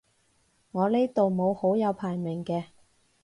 我呢度冇好友排名嘅